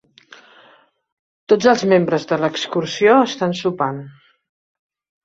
Tots els membres de l'excursió estan sopant.